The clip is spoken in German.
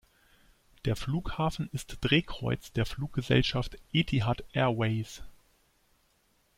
Der Flughafen ist Drehkreuz der Fluggesellschaft Etihad Airways.